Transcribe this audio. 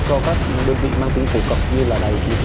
cho các đơn vị mang tính phổ cộng như là đại dịch